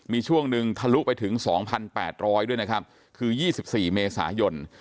มีช่วงหนึ่งทะลุไปถึง๒๘๐๐ด้วยนะครับคือ๒๔เมษายน